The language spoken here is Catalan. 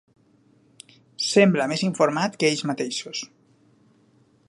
Sembla més informat que ells mateixos.